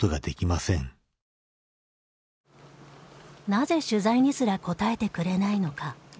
なぜ取材にすらこたえてくれないのか？